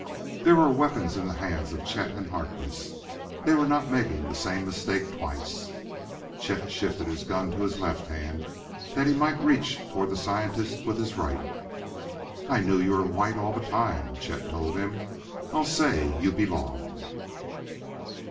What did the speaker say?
There were weapons in the hands of Chet and Harkness; they were not making the same mistake twice. Chet shifted his gun to his left hand that he might reach toward the scientist with his right. "I knew you were white all the time," Chet told him; "I'll say you belong!"